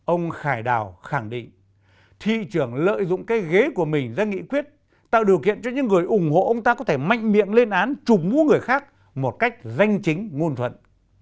ông khải đào khẳng định thị trường lợi dụng cái ghế của mình ra nghị quyết tạo điều kiện cho những người ủng hộ ông ta có thể mạnh miệng lên án chụp mũ người khác một cách danh chính ngôn thuận